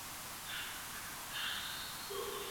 که افکار ګډوډ وي نو لیکل یې منظموي.